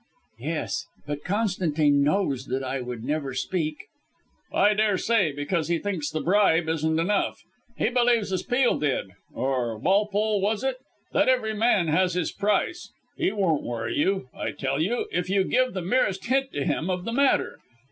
"Yes. But Constantine knows that I would never speak." "I daresay, because he thinks the bribe isn't enough. He believes as Peel did or Walpole was it? that every man has his price. He won't worry you, I tell you, if you give the merest hint to him of the matter.